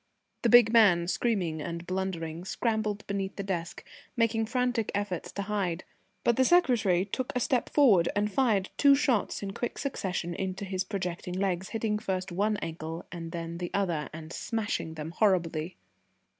The big man, screaming and blundering, scrambled beneath the desk, making frantic efforts to hide, but the secretary took a step forward and fired two shots in quick succession into his projecting legs, hitting first one ankle and then the other, and smashing them horribly.